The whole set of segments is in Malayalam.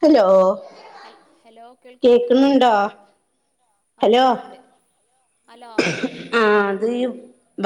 ഹലോ ഹയ് ഹെലോ കേൾക്കുന്നുണ്ടല്ലോ കേക്കുന്നുണ്ടോ ആഹ് ആഹ് കേൾക്ക്ണ്ട് ഹലോ ഹലോ ആഹ് അത് ഈ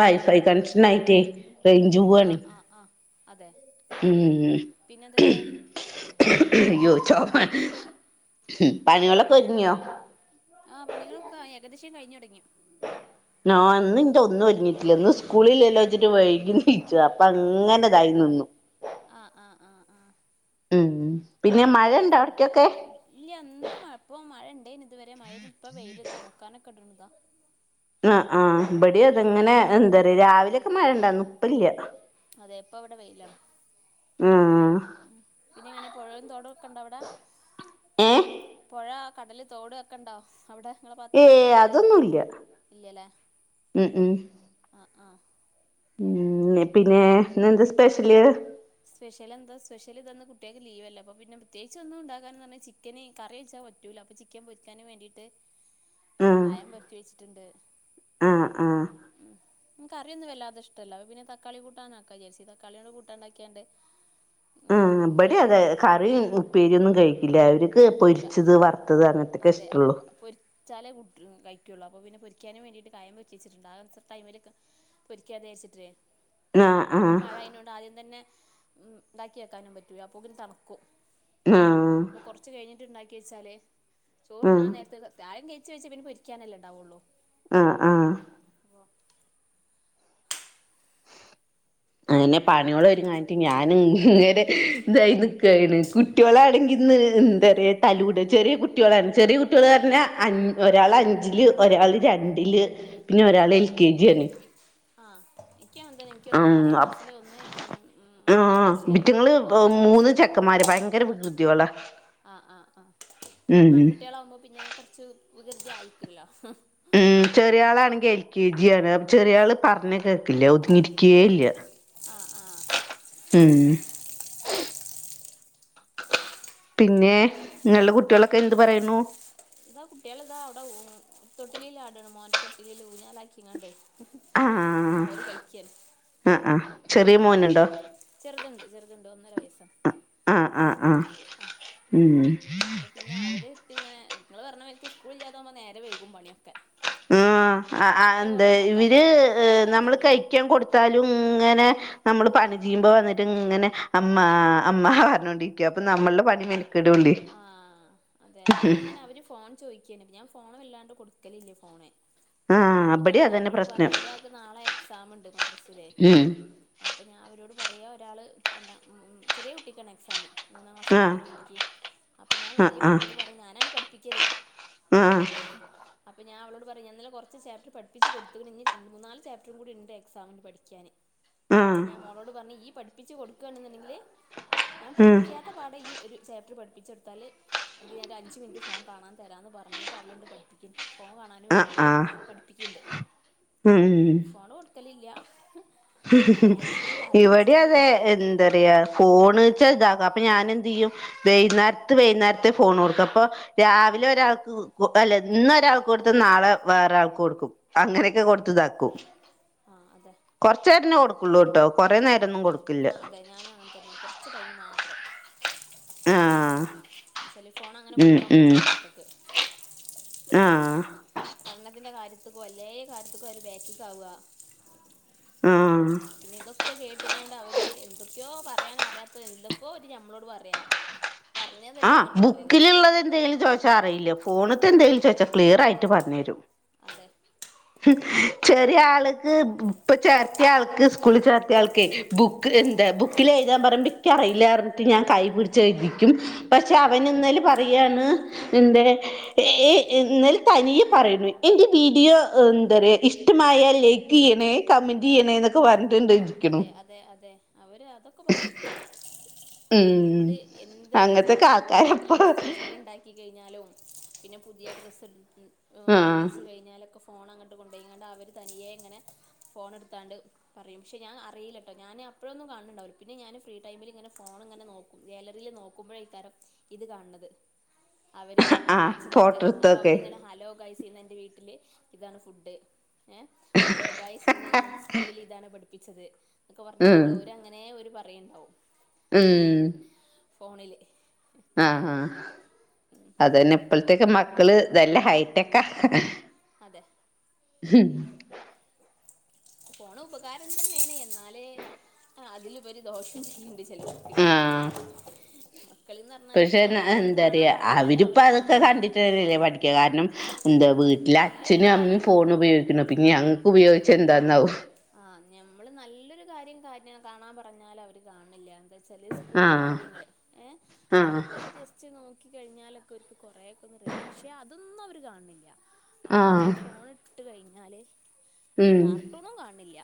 വൈഫൈ കണക്ഷൻ ആയിറ്റേ റെയ്ഞ്ച് ആ പൂവാണ് ആ ആ അതെ ഉം പിന്നെ ഉം എന്തൊക്കെയാ യ്യോ ചൊമ ഹും പണികളൊക്കെ ഒര്ങ്ങ്യോ ആഹ് പണികളൊക്കെ ആഹ് ഏകദേശം കഴിഞ്ഞ് തൊടങ്ങി ന്നാ ആഹ് ന്ന്ഇന്റെ ഒന്നും ഒര്ങ്ങീട്ട്ല്ല ഇന്ന് സ്കൂള്ല്ലല്ലോച്ച്ട്ട് വൈകി നീച്ചു അപ്പ അങ്ങനെ ഇതായി നിന്നു ആഹ് ആഹ് ആഹ് ആഹ് ഉം പിന്നെ മഴെണ്ടൊ അവ്ട്ക്ക്യൊക്കെ ഇല്ല്യ ഇന്ന് മഴ ഇപ്പൊ മഴ ഇണ്ടേയ്ന് ഇത് വെരെ മഴേര്ന്നു ഇപ്പ വെയ്ല്താ ഒണക്കാനൊക്കെ ഇട്ണ്താ ആഹ് ആഹ് ഇബടി അതങ്ങനെ എന്താ പറയാ രാവിലെയൊക്കെ മഴ ഇണ്ടാന്നു ഇപ്പല്ല്യ അതെ ഇപ്പ ഇവടെ വെയ്ലാണ് ഉം പിന്നെ എങ്ങനെ പുഴയും തോടൊ ക്കെണ്ട അവ്ടെ ആ ഏ ഏഹ് പുഴ കടല് തോട് അഹ്ഒക്കെ ഇണ്ടോ അവ്ടെ ഏയ് ഏയ് അതൊന്നുല്ല്യ ഉം ഉം അഹ് ആഹ് ഉം ന്നെ പിന്നെ ഇന്നെന്താ സ്പെഷ്യല് സ്പെഷ്യല് എന്താ സ്പെഷ്യൽ ഇതാ ഇന്ന് കുട്ട്യാക്ക് ലീവെല്ലെ അപ്പ പിന്നെ പ്രത്യേകിച്ച് ഒന്നും ഇണ്ടാക്കാന് ന്നർഞ്ഞ ചി ക്കന് കറി വെച്ചാ പറ്റൂല അപ്പ ചിക്കൻ പൊര്ക്കാനും വേണ്ടിയിട്ട് ! ! ! ! ! ! ! ! ! കായം വര്റ്റി വെച്ചിട്ട്ണ്ട് ആഹ് ആഹ് ഉം മുക്ക്റിയൊന്നും വല്ലാതെ ഇഷ്ടല്ല പിന്നെ തക്കാളി കൂട്ടാനാക്കാ വിജാര്ച്ച് തക്കാളിയോണ്ട് കൂട്ടാണ്ടാ ക്യാണ്ട് ആഹ് ഇവടി അതെ കറി, ഉപ്പേരി ഒന്നും കഴിക്കില്ല അവർക്ക് കഴിക്കൂല പൊരിച്ചത് വറുത്തത് അങ്ങനെ അതെ അപ്പോ പോരി ചെല ഗുഡ് കഴികൊള്ളു അപ്പോ പിന്നെ പൊരിക്കാ വേണ്ടിട്ട് കായം വറ്റിച്ചിട്ടുണ്ട് ആഹ് ടൈമിലോക്കെ പൊരിക്കാതെ ച്ചിട്ടേ ആഹ് ആഹ് ഇപ്പം മഴ അയിനോണ്ട് ആദ്യം തന്നെ ഇതാക്കി വെക്കാനും പറ്റൂല്ല അപോക്കിന് തണുക്കും ഉം കൊറ്ച്ച് കഴിട്ട് ഇണ്ടാക്കി വെച്ചാല് ചോറ് ആഹ് തിന്നാൻ നേരത്ത് തായം കഴിച്ചച്ച് പിന്നെ പൊരിക്കാനെല്ലേ ഇണ്ടാവുള്ളൂ ആഹ് ആഹ് അങ്ങനെ പണിഓള് ഒരുങ്ങാൻ നിട്ട് ഞാ അയിന് ഇങ്ങനെ ഇതായി നിക്കാണ് കുട്ട്യോളാഅടങ്ങി ന്ന് എന്താ റിയാ തലൂട് ചെറിയ കുട്ടികളാണ് ചെറിയ കുട്ട്യാള് പറഞ്ഞാ ഒരാള് അഞ്ചില് ഒരാള് രണ്ടില് പിന്നെ ആഹ് ഒരാള് എൽ ആഹ് കെ ജി ആണ് ആഹ് ആഹ് ഇക്ക വന്ത [unintelligible] ഇക്ക ഒന്ന് ഉം ആറാം അപ് ക്ലാസില് ഒന്ന് മൂന്നാം ആഹ് ക്ലാസില് ഇബിറ്റിങ്ങള് ഒന്ന് ഒന്നര വയസ്സാണ് യുദ്ധി ഓള ആഹ് ആഹ് ആഹ് ആൺകുട്ടികളാകുമ്പോ പിന്നെ കൊറച്ച് വികൃതി ആയിക്കു ല്ലോ ഉം ചെറിയ ആളാണെങ്കിൽ എൽ കെ ജി ആണ് ചെറിയ ആള് പറഞ്ഞ കേക്കില്ല ഒതുങ്ങിരിക്കേ ഇല്ല ആഹ് ആഹ് ഉം പിന്നെ നിങ്ങളെ കുട്ട്യാളൊക്കെ എന്ത് പറയുണു ഇതാ കുട്ട്യാള് ഇതാ അഹുടെ തൊട്ടിലാടാണ് മോന്റെ തൊട്ടിലീല് ഊഞാലാക്കിങ്ങാണ്ട് ആഹ് അവര് കളിക്യാണ് ആഹ് ആഹ് ചെറിയ ആഹ് മോനുണ്ടോ ചെറ്ത്ണ്ട് ചെറുത്ണ്ട് ഒന്നര വയസാ. ആഹ് ആഹ് ആഹ് ഉം. അപ്പൊ പിന്നെ അവര് ഇങ്ങനെ നിങ്ങള് പറഞ്ഞ മാരിക്ക് സ്കൂള് ഇല്ലാതാവുമ്പം നേരം വൈകും പണിയൊക്കെ. ഉം അവരെ എന്താ കൊറേ ഇവര് നോക്കാണ്ടാവും അവരെ നമ്മള് കാര്യങ്ങള് കഴിക്യാൻ കൊടുത്താലും ഇങ്ങനെ നമ്മള് പണി ചെയ്യുമ്പോ വന്നിട്ട് ഇങ്ങനെ അമ്മ അമ്മ പറഞ്ഞോണ്ടിരിക്കും. അപ്പൊ നമ്മളുടെ പണി മെനക്കെടുള്ളേ ആഹ് അതെ അപ്പ ഞാൻ ഇങ്ങനെ അവര് ഫോൺ ചോയിക്കെണ് ഞാൻ ഫോൺ വല്ലാണ്ട് കൊടുക്കലില്ലേ ഫോണ്. ആഹ് അപ്പൊ ഇബടിം ഞാൻ അതന്നെ അവരോട് പ്രശ്നം പറയും ഒരാൾക്ക് നാളെ എക്സാം ഉണ്ട് മദ്രസയില്. ഉം അപ്പം ഞാൻ അവരോട് പറയ ഒരാള് രണ്ടാ ചെറിയ കുട്ടിക്കാണ് എക്സാം. മൂന്നാം ക്ലാസ് ആഹ് പഠിക്കണകുട്ടിക്ക് അപ്പൊ ഞാൻ ആഹ് വലിയ മോളോട് പറയുംഞാനാണ് പഠിപ്പിക്കല് ഉം [inaudible] അപ്പ ഞാൻ അവളോട് പറയും ഞാൻ ഇന്നലെ കുറച്ച് ചാപ്പ്റ്റർ പഠിപ്പിച്ച് കൊടുത്ത്ക്ക്ണ്. ഇഞ്ഞ് രണ്ട് മൂന്നാല് ചപ്റ്ററും കൂടി ഉണ്ട് എക്സാമിന് പഠിക്യാന്. അപ്പ ആഹ് ഞാൻ മോളോട് പറന് ഇയ് പഠിപ്പിച്ച് കൊടുക്കാണ് ണ്ടെങ്കില് ഞാൻ ഉം പഠിപ്പിക്കാത്ത പാഠം ഇയ് ഒരു ചാപ്റ്റർ പഠിപ്പിച്ചെട്ത്താല് എങ്കിൽ ഞാൻ ഒരു അഞ്ച് മിനിറ്റ് ഫോൺ കാണാൻ തരാന്ന് പറഞ്ഞിട്ട് അവളുണ്ട് പഠിപ്പിക്കുന്ന്. ഫോൺ കാണാൻ വേണ്ടിട്ട് പഠിപ്പിക്കിണ്ട്. ഉം ഉം ഉം ഫോണ് കൊടുക്കലില്ല. ഇങ്ങനെയൊക്കെ എന്തെങ്കിലും കാരണം ഇവടി വെച്ച്ങ്ങാണ്ട് അതെ എൻ കൊടുക്കലുള്ളൂ എന്ത പറയാ ഫോൺചോയ്ച്ച ഇതാക്കാം അപ്പൊ ഞാൻ എന്ത് ചെയ്യും വൈകുന്നേരത്ത് വൈകുന്നേരത്തെ ഫോൺ കൊടുക്ക അപ്പൊ രാവിലെ ഒരാൾക്ക് അല്ല ഇന്ന് ഒരാൾക്ക് കൊടുത്ത് നാളെ വേറെരാൾക്ക് കൊടുക്കും അങ്ങനെയൊക്കെ കൊടുത്തു ഇതാക്കും ആഹ് അതെ ചേട്ടനെ കൊടുക്കുള്ളൂ കേട്ടോ കുറെ നേരം ഒന്നു കൊടുക്കൂ ഞാ അതെ ഞാനും അങ്ങനെ തന്നെയാണ് കുറച്ച് ടൈമ് മാത്രം ആഹ് സെൽ ഫോൺ അങ്ങനെ ഉം കൊടുക്കാൻ ഉം പറ്റൂല മക്കൾക്ക് ആഹ് പഠനത്തിന്റെ കാര്യത്തിക്കോ അല്ലേ കാര്യത്തക്കോ അവര് ബേക്കിക്ക് ആവുക ആഹ് പിന്നെ ഇതൊക്കെ കേ ട്ടുങ്ങാണ്ട് അവര് എന്തൊക്കെയോ പറയാൻ അറിയാത്ത എന്തൊക്കോ അവര് നമ്മളോട് പറയാ പറഞ്ഞതല്ല ആഹ് ഇങ്ങട്ട് പറയല് ബുക്കിലുള്ളത് എന്തെങ്കിലും ചോദിച്ചാ അറിയില്ല ഫോണത്തെ ആ എന്തേങ്കിലും ചോദിച്ച ക്ലിയറായിട്ട് പറഞ്ഞു തരും അതെ ചെറിയ ആൾക്ക് ഇപ്പൊ ചേർത്ത ആൾക്ക് സ്കൂളിൽ ചേർത്ത ആൾക്ക് ബുക്ക് എന്താ ബുക്കിൽ എഴുതാൻ പറയുമ്പോ എനിക്ക് അറിയില്ല ഞാൻ കൈ പിടിച്ച് എഴുതിക്കും പക്ഷെ അവൻ ഇന്നേല് പറയുവാണ് എന്തേ ഏ എന്നാൽ തനിയെ പറയുന്നു എന്റെ വീഡിയോ എന്താ ഇഷ്ടമായ ലൈക്ക് ക്ക് ചെയ്യണേ കമന്റ് ചെയ്യണേ എന്നൊക്കെ പറഞ്ഞിട്ട് ഇരിക്കണു അതെ അതെ അതെ അവര് അതൊക്കെ പറയും ഉം എന്ത് എന്ത് അങ്ങനത്തൊക്കെ സാധനം ഇവിടെ ആൾക്കാരപ്പ വീട്ടില് സ്പെഷ്യല് ഉണ്ടാക്കി കഴിഞ്ഞാലും പിന്നെ പുതിയ ഡ്രസ് ആ വാങ്ങിച്ച് കഴിഞ്ഞാലും ഫോൺ അങ്ങോട്ട് കൊണ്ടുപോയിണ്ട് അവർ തനിയെ ഇങ്ങനെ ഫോൺ എടുത്തങ്ങാണ്ട് പറയും. പക്ഷേ ഞാൻ അറിയില്ലട്ടോ ഞാൻ അപ്പഴൊന്നു കാണലുണ്ടാവില്ല പിന്നെ ഞാൻ ഫ്രീ ടൈമിലിങ്ങനെ ഫോൺ ഇങ്ങനെ നോക്കും ഗാലറിയിൽ നോക്കുമ്പോഴായിരിക്കും ഇത് കാണുന്നത് അവര് ആ കാണിച്ചതൊക്കെ ഫോട്ടോ അപ്പൊ എടുത്തൊക്കെ അവരിങ്ങനെ ഹലോ ഗൈസ് ഇന്ന് എന്റെ വീട്ടില് ഇതാണ് ഫുഡ് ഏ ഹലോ ഗയ്സ് ഇന്ന് ഞങ്ങൾ സ്കൂളിൽ ഇതാണ് പഠിപ്പിച്ചത് എന്നക്കെ ഉം പറഞ്ഞകാണ്ട് ഓര അങ്ങനെ അവര് പറയുണ്ടാവും ഉം ഫോണില് ആഹ് ആഹ് ഉം അത് തന്നെ ഇപ്പഴത്തേക്ക മക്കള് നല്ല ഹൈടെക്കാ അതെ ഹും ഫോൺ ഉപകാരം തന്നെയാണ് എന്നാലേ അതിലുപരി ദോഷം ചെയ്യും [inaudible] ആഹ് ഏഹ് പക്ഷെ എന്താ പറയാ അവരിപ്പ അവര് അതൊക്കെ കാണില്ല കണ്ടിട്ട് അല്ലേ പഠി ക്ക കാരണം എന്താ വീട്ടിലെ നല്ലൊരു അച്ഛന് അമ്മയും കാര്യം ഫോൺ ഉപയോഗിക്കുന്നു പിന്നെ ഞങ്ങക്ക് ഉപയോഗിച്ച എന്താന്നാവും ആഹ് ഞമ്മള് നല്ലൊരു കാര്യം കാണാൻ പറഞ്ഞാൽ അവര് കാണില്ല എന്താ വെച്ചാല് സ്കൂൾത്തെ ആഹ് കാര്യങ്ങള് ഏ ആഹ് അതൊക്കെ ഒന്ന് ജസ് കുറച് നോകി കഴിഞ്ഞാലൊക്കെ അവർക്ക് കൊ റെക്കൊന്നുംറെഡി പക്ഷെ അതൊന്നും അവര് കാണില്ല അവര് ആഹ് ഫോണ് ഇട്ട കഴിഞ്ഞാല് വല്ലാ ഉം കാർട്ടൂണും കാണിണില്ല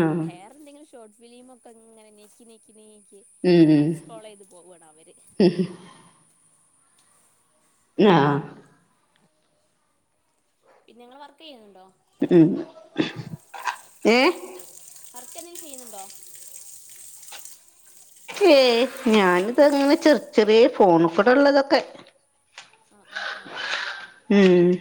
ആഹ് വേറെന്തെങ്കിലു ഷോർട്ട് ഫിലിമൊക്കെങ്ങനെ നെക്കി നെ ക്കി നീക്കി ഉം അത് ഫോളോ ചെയ്ത് പോകാണ് അവര്. അ ആഹ്. പിന്നെ ഇങ്ങള് വർക്കെയ്യുന്നുണ്ടോ. ഉം ഏഹ്. വർക്കെന്തെങ്കി ചെയ്യുന്നുണ്ടോ. ഏയ് ഞാനിതങ്ങനെ ചെറിയ ചെറിയ ഫോണ്കൂടെള്ളതൊക്കെ. ആഹ് ആഹ് ആഹ്. ഉം.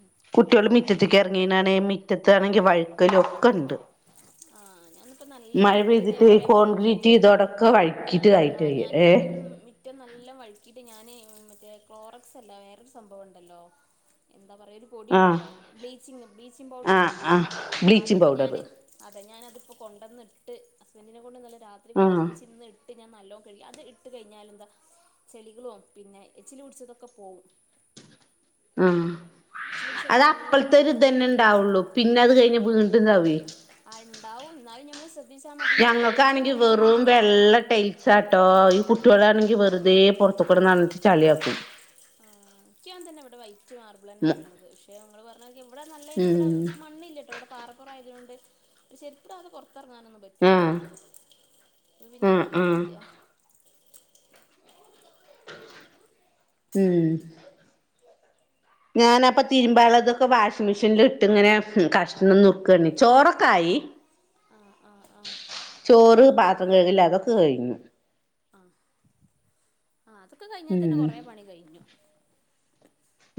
ഉം. കുട്ട്യള് മിറ്റത്തിക്ക് എർങ്ങിയനാണെ മിറ്റത്താണെങ്കി വഴുക്കലു ഒക്കണ്ട്. ആഹ് ഞാന്ന്. ഇപ്പം നല്ല പെയ്തിട്ട് മിറ്റതേപോലെ കോൺക്രീറ്റ് വഴുക്കിയിട്ട് ഇതോടൊക്കെ വഴുക്കിട്ട് ആയിട്ട് ആഹ് ഏ ഞാനിപ്പം മി റ്റം നല്ല വഴിക്കിയിട്ട് ഞാന് മറ്റേ ക്ലോറക്സ് അല്ല വേറൊരു സംഭവംണ്ടല്ലോ. എന്താ പറയ ഒരു ആഹ് പൊടിണ്ടല്ലോ ബ്ലീച്ചിങ് ബ്ലീച്ചിങ് പൗഡറ് ആഹ് ആഹ് ബ്ലീച്ചിങ് അത്പ്പ പൗഡർ ഞാന്. അത ഞാനത്പ്പൊ കൊണ്ടന്ന്ട്ട് ഹസ്ബൻഡിനെ കൊണ്ട് ഇന്നലെ രാത്രി ആഹ് കൊണ്ടര്പ്പിച്ച് ഇന്ന് ട്ട് ഞാൻ നല്ലോം കഴുകി അത് ഇട്ട് കഴിഞ്ഞാൽ എന്താ ചെളികളും പിന്നെ എച്ചില് പിടിച്ചതൊക്കെ പോവും. ആഹ് എച്ചില് പിടിച്ചത് അത് നല്ലോം പോവും അപ്പൾത്തൊരുതന്നെ ഇണ്ടാവുള്ളു പിന്നെ അത് കഴിഞ് വീണ്ടും ഇതാവൊയ്. ആഹ് ഇണ്ടാവും എന്നാലും നമ്മള് ശ്ര ഞങ്ങക്കാണെങ്കി വെറും വെള്ള ടൈൽ. സാട്ടോ ഈ കുട്ട്യോളാണെങ്കി വെറുതെ പൊറത്ത് കൂടെനടന്ന്ട്ട് ചളിയാക്കും. ആഹ് ഇക്ക്യു അങ്ങൻതന്നെ ഇവിടെ വൈറ്റ് മാർബിളെന്നെണ് യ ഇള്ളത്. എ ഇങ്ങള് പറഞ്ഞ [unintelligible] ഇവിടെ നല്ലയിന് ഇവിടെ ഉം മണ്ണില്ലട്ടോ ഇവടെ. പാറക്കുറായതുകൊണ്ട് ചെരിപ്പ്ടാതെ പൊറത്തെർങ്ങാനൊന്നും പ റ്റൂല ആഹ് അ പിന്നെ ആഹ് വല്ല്യത് ആഹ് ഇല്ല. ഉം ഞാനപ്പ പിന്നെ തിരുമ്പാള്ളത്. ക്കെ വാഷിംഗ് മെഷീനില്ട്ട്ങ്ങനെ കഷ്ണം നുർക്കണ് ചോറൊക്കായി. ആഹ് ആഹ് ആഹ്. ചോറ് പാത്രം കഴുകല് അതൊക്കെ കഴിഞ്ഞു. ആഹ് ആ അതൊക്കെ കയിഞ്ഞാ തന്നെ ഉം കൊറെ പണി കഴിഞ്ഞു.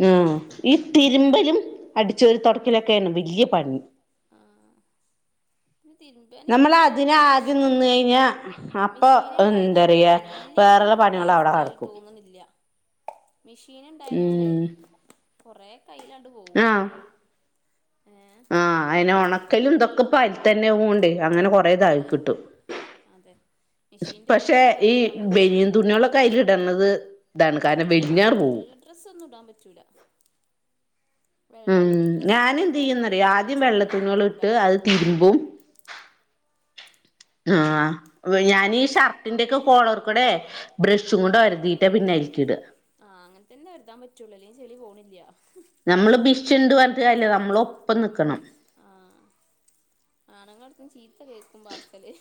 ഉം ഈ തിരുമ്പലും അടിച്ചൊരി തൊടക്കലൊക്കെണ് വല്ല്യ പണി. ആഹ്. പിന്നെ ! ! തിരുമ്പാനിപ്പം എനിക്ക് നമ്മളതിന് തോന്നുന്നുണ്ട് ആദ്യം മെഷീൻ നിന്ന് കയിഞ്ഞാ അപ്പൊ എന്തറയാ. വല്ല്യൊരു ടാസ്കായി തോന്നുന്നില്ല. മെഷീന്ണ്ടായതതോണ്ടേ ഉം കൊറേക്കെ അയ്ലാണ്ട് പോവും. ആഹ് ഏഹ്. ആഹ് അയ്ന് ഒണക്കലും ഇതൊക്കപ്പയ്തന്നെ ഓണ്ട് അങ്ങനെ കൊ [unintelligible] ആയി അതെ കിട്ടും അതെ സ് മെഷീന്റെ പക്ഷെ ഉപകാരംന്ന് ഈ പറഞ്ഞാൽ ഞമ്മക്ക് ബനിയൻ തുണികളൊ ക്കെ അയിലിടണത് ഇതാണ് കാരണം വെലിഞ്ഞങ്ങട് പോവും. ഡ്രസ്സൊന്നു ഇടാൻ പറ്റൂല. ഉം വൈറ്റ് ഡ്രസ്സ് ഇട്ട് കഴിഞ്ഞാൽ അത് ഞാനെന്തെയ്യുന്നറിയാ നല്ലോണം ആദ്യം ചെളിയൊന്നും പോവൂല വെള്ളത്തുണികളിട്ട് അത് തിരുമ്പും. ആഹ് വ ഞാനീ അങ്ങനെ ചെ ഷർട്ടിന്റൊക്കെ കോളർ കൂടെ ബ്രഷും കൊണ്ട് ഒരതീ ട്ടാ പിന്നെ അയിലിക്കിടാ. ആഹ് അങ്ങൻത്തന്നെ ഒര്താൻ പറ്റുള്ളൂ അല്ലെങ്കി ചെളി പോണില്ല. നമ്മള് ഭീഷുണ്ട് പറഞ്ഞിട്ട് കാര്യല്ല നമ്മളൊപ്പം നിക്കണം ആഹ് ആണുങ്ങളെടുത്ത് ചീത്ത കേക്കും പാർസല്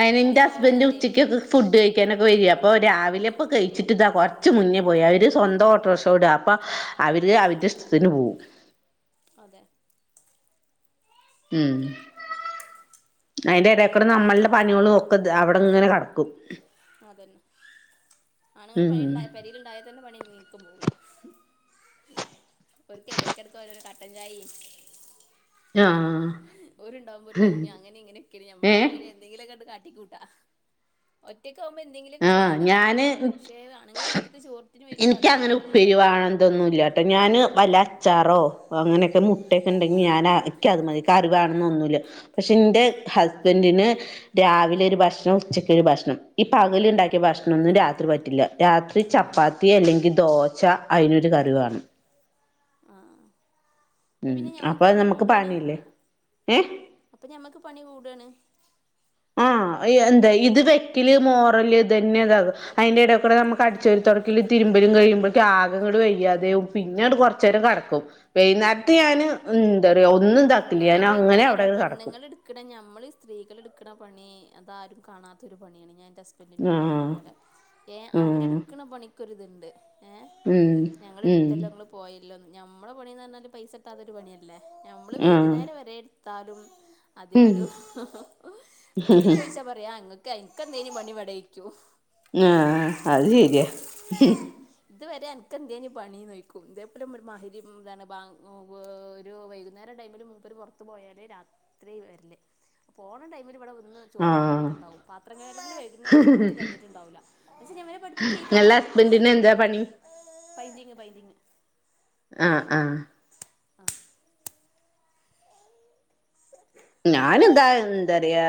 അയിന് ചളി എന്റെ ഹസ്ബൻന്റ് പോവാഞ്ഞാലേ ഉച്ചക്കൊക്കെ ഫുഡ് കഴിക്കാനൊക്കെ വരെ അപ്പൊ രാവിലെപ്പോ കഴിച്ചിട്ട്താ കൊറച്ച് മുന്നേ പോയി അവര് സ്വന്തം ഓട്ടർഷോടാ അപ്പൊ അവര് അവരെ ഇഷ്ട്ടത്തിന് പോവും അതെ ഉം അതിന്റെ എടെക്കൂടെ നമ്മളുടെ പണികളും ഒക്കെ അവിടെ ഇങ്ങനെ കെടക്കും അതന്നെ ആണുങ്ങള് പണി ഉം ഉണ്ടായതെനെ പേരിൽ ഉണ്ടായത്തന്നെ പണി നീ പോവൂല ഓര്ക്ക് ഇടക്കിടക്ക് ഓരോരോ കട്ടൻചായേം ആഹ് ഒരുണ്ടാവുമ്പോൾ ഒരു കഞ്ഞി അങ്ങനെ ഇങ്ങനെയൊക്കെണ് നമ്മളാവുമ്പ ഏഹ് പിന്നെ എന്തെങ്കിലുമൊക്കെ കാട്ടിക്കൂട്ടാ ഒറ്റക്കാവുമ്പോ എന്തെങ്കിലുമൊക്കെ ആഹ് ചെയ്താ ഞാന് പക്ഷെ ആണുങ്ങൾ വീട്ടിക്ക് ചോറത്തിന് വരുമ്പോ എനിക്കങ്ങനെ അതേപോലെല്ലല്ലോ ഉപ്പേരിവാണം ഇതൊന്നുല്ല ട്ടെ ഞാൻ വല്ല അച്ചാറോ അങ്ങനെയൊക്കെ മുട്ടയൊക്കെ ഇണ്ടെങ്കി ഞാൻ ഇക്കത് മതി കറിവാണെന്നേ ഒന്നുമില്ല പക്ഷെ എന്റെ ഹസ്ബന്റ് ന് രാവിലെ ഒരു ഭക്ഷണം ഉച്ചക്കൊരു ഭക്ഷണം പകലുണ്ടാക്കിയ ഭക്ഷണൊന്നും രാത്രി പറ്റില്ല രാത്രി ചപ്പാത്തി അല്ലെങ്കിൽ ദോശ അതിനൊരു കറി വേണം ആഹ് അപ്പൊ ഉം പിന്നെ ഞമ്മക്ക് അപ്പൊ പണി നമുക്ക് കൂടാണ് പണിയില്ലേ ഏഹ് അപ്പൊ ഞമ്മക്ക് പണി കൂടാണ് ആഹ് എന്താ ഇത് വെക്കല് മോറല് ഇതെന്നെ അതാ അയിന്റെ ഇടേക്കൂടെ നമുക്ക് അടിച്ചാരി തൊടക്കല് തിരുമ്പല് കഴിയുമ്പോഴേത്തേക്ക് ആകെങ്ങട്ട് വയ്യാതാവും പിന്നെണ്ട് കൊറച്ചേരം കെടക്കും വൈകുന്നേരത്ത് ആ ഞാന് എന്താ പറയാ ഒന്നും താ എന്നാലും എന്താന്നറയാ പെണ്ണുങ്ങൾ എടുക്കണ ഞമ്മൾ ഈ സ്ത്രീകൾ എടുക്കണ പണി അതാരും കാണത്തൊരു പണിയാണ് ഞാനെന്റെ ഹസ് ഹസ്ബന്റിനോട് പറഞ്ഞ ആഹ് പോലെ ഏഹ് ഉം അവരെടുക്കണ പണിക്കൊരിത്ണ്ട് ഏഹ് ഉം ഉം ഞങ്ങളെടുത്തല്ലോ ഞങ്ങൾ പോയല്ലോ ഞമ്മളെ പണിന്ന് പറഞ്ഞാല് പൈസ കിട്ടാത്തൊരു പണിയല്ലേ ഞമ്മൾ ആഹ് വൈകുന്നേരം വരെ എടുത്താലും ഉം അതിനൊരു പിന്നെ ചോയിച്ചാ പറയും നിങ്ങക്ക് ഇൻക്കാ ഇൻക്കെന്തെനി പണി ഇവടെ ചോയ്ക്കും ആഹ് അത് ശരിയാ ഇതുവരെ അനക്കെന്തേനീ പണിന്നോയ്ക്കും ഇതേപോലെ ഒരു മകരീം എന്താണ് ബാങ്ക് ഒരു വൈക വൈന്നേര ടൈമില് മുപ്പര് പുറത്ത് പോയാല് രാത്രി വരില്ലേ പോകണ ടൈമിൽ ഇവിടെ ഒന്ന് ചോറ് ആഹ് വളമ്പിട്ടുണ്ടാവും പാത്ര കഴുകലൊന്നും സമയത്ത് കഴിഞ്ഞിട്ടുണ്ടാവില്ല എന്താച്ച ഇവലെ ഇങ്ങളെ പഠിപ്പിക്കേക്കാരം ഹസ്ബന്റിന് എന്താ പണി പൈന്റിംഗ് പൈന്റിംഗ് ആഹ് ആഹ് ആഹ് [inaudible] ഞാനെന്താ എന്താറയാ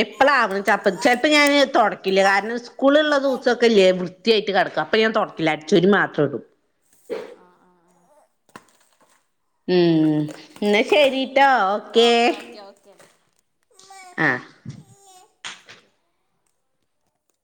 എപ്പളാ ചെപ്പ ചെലപ്പം ഞാന് തൊടക്കില്ല കാരണം സ്കൂളുള്ള ദിവസൊക്കെല്ലേ വൃത്തിയായിട്ട് കെടക്കും അപ്പ ഞാൻ തൊടക്കില്ല അടിച്ചാരി മാത്രം ഇടും ആ ആ ആ ആഹ് ഉം അതെന്നെ എന്നാ ശരിട്ടോ എന്നാ ഓക്കേ ഓക്കെ ഓക്കെ ഓക്കെ ആഹ് അപ്പൊ ഓക്കെ